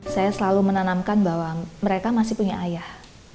saya selalu menanamkan bahwa mereka masih punya ayah